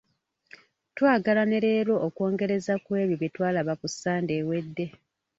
Twagala ne leero okwongereza ku ebyo bye twalaba ku Ssande ewedde.